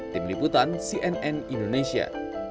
tim liputan cnn indonesia